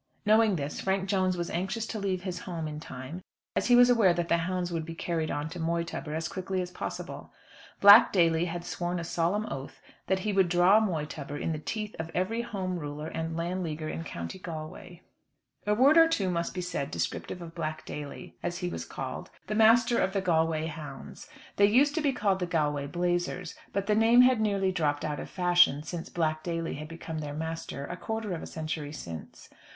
Knowing this, Frank Jones was anxious to leave his home in time, as he was aware that the hounds would be carried on to Moytubber as quickly as possible. Black Daly had sworn a solemn oath that he would draw Moytubber in the teeth of every Home Ruler and Land Leaguer in County Galway. A word or two must be said descriptive of Black Daly, as he was called, the master of the Galway hounds. They used to be called the Galway blazers, but the name had nearly dropped out of fashion since Black Daly had become their master, a quarter of a century since.